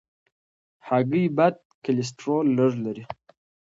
هګۍ بد کلسترول لږ لري.